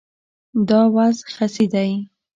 دا وز خسي دی